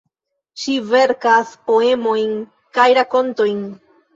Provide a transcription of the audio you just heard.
Ŝi verkas poemojn kaj rakontojn.